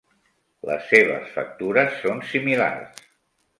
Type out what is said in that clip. Les seves factures són similars.